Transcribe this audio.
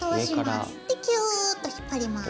でキューッと引っ張ります。